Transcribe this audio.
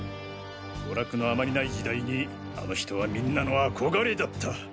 娯楽のあまりない時代にあの人はみんなの憧れだった。